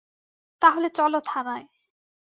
তাহলে চল থানায়।